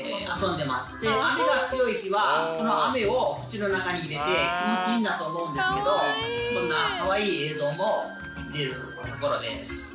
で雨が強い日はこの雨を口の中に入れて気持ちいいんだと思うんですけどこんなかわいい映像も見られるところです。